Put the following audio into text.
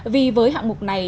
vì với hạng mục này